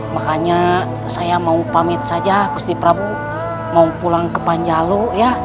makanya saya mau pamit saja gusti prabu mau pulang ke panjalo